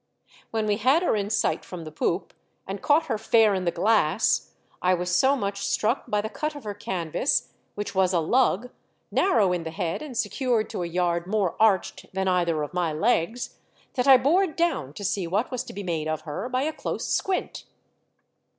When we had her in sight from the poop and caught her fair in the glass, I was so much struck by the cut of her canvas, which was a lug, narrow in the head and secured to a yard more arched than either of my legs, that I bore down to see what was to be made of her by a close squint."